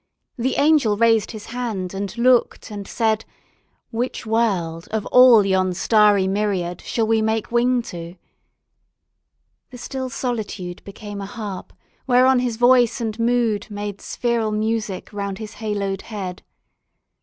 The angel raised his hand and looked and said, "Which world, of all yon starry myriad Shall we make wing to?" The still solitude Became a harp whereon his voice and mood Made spheral music round his haloed head.